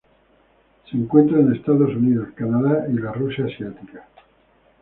Se encuentra en Estados Unidos, Canadá y Rusia asiática.